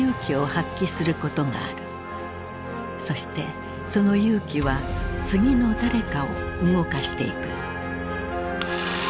そしてその勇気は次の誰かを動かしていく。